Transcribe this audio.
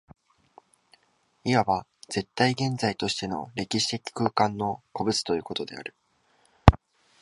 いわば絶対現在としての歴史的空間の個物ということである。